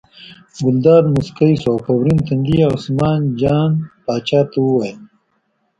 ګلداد موسکی شو او په ورین تندي یې عثمان جان پاچا ته وویل.